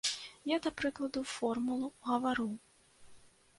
Я да прыкладу формулу гавару.